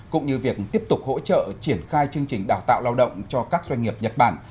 cũng như việc tiếp tục hỗ trợ triển khai chương trình đào tạo lao động cho các doanh nghiệp nhật bản